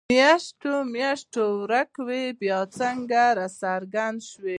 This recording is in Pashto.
په میاشتو میاشتو ورک وو او بیا راڅرګند شو.